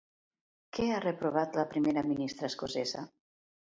Què ha reprovat la primera ministra escocesa?